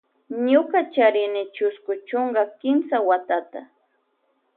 Ñuka charini chusku chunka kimsa watata.